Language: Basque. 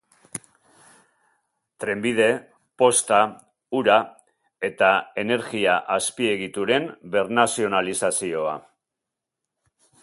Trenbide, posta, ura eta energia azpiegituren bernazionalizazioa.